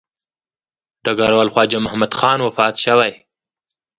ډګروال خواجه محمد خان وفات شوی.